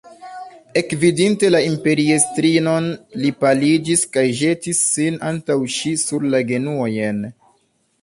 Ekvidinte la imperiestrinon, li paliĝis kaj ĵetis sin antaŭ ŝi sur la genuojn.